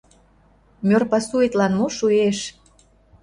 Мӧр пасуэтлан мо шуэш?